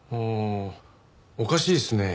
おかしいですね。